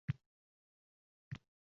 Tashqaridan qaraganda ajib manzara edi